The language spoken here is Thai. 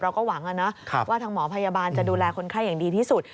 เราก็หวังว่าทางหมอพยาบาลจะดูแลคนไข้อย่างดีที่สุด